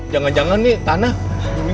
jangan jangan nih tanah